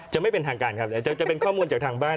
ไม่เป็นทางการครับแต่จะเป็นข้อมูลจากทางบ้าน